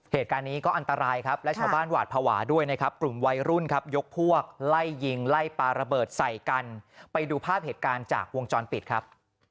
เหตุการณ์นี้ก็อันตรายครับและชาวบ้านหวาดภาวะด้วยนะครับกลุ่มวัยรุ่นครับยกพวกไล่ยิงไล่ปลาระเบิดใส่กันไปดูภาพเหตุการณ์จากวงจรปิดครับ